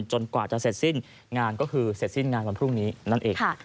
กว่าจะเสร็จสิ้นงานก็คือเสร็จสิ้นงานวันพรุ่งนี้นั่นเอง